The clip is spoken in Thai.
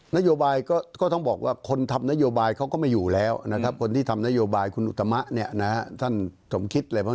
นโยบายก็ต้องบอกว่าคนทำนโยบายเขาก็ไม่อยู่แล้วนะครับคนที่ทำนโยบายคุณอุตมะเนี่ยนะท่านสมคิดอะไรบ้าง